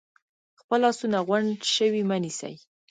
خپل لاسونه غونډ شوي مه نیسئ،